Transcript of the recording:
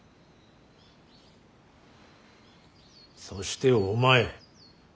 そしてお前。